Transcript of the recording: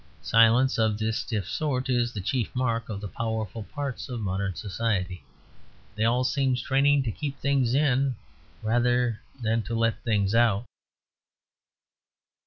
Silence of this stiff sort is the chief mark of the powerful parts of modern society. They all seem straining to keep things in rather than to let things out.